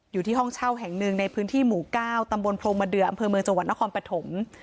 อยู่ที่ห้องเช่าแห่งหนึ่งในพื้นที่หมู่๙ตำบลโพรงเดืออำเภอเมืองจังหวัดนครปฐม